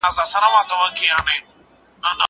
که وخت وي، اوبه پاکوم!!